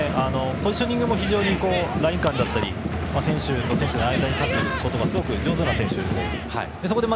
ポジショニングもライン間だったり選手と選手の間に立つことがすごく上手な選手で。